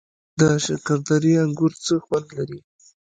د شکردرې انګور څه خوند لري؟